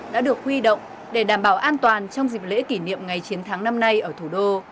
đã được huy động để đảm bảo an toàn trong dịp lễ kỷ niệm ngày chiến thắng năm nay ở thủ đô